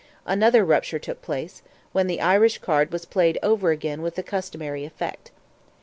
Another rupture took place, when the Irish card was played over again with the customary effect.